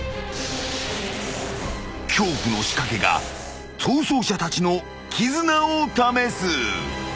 ［恐怖の仕掛けが逃走者たちの絆を試す］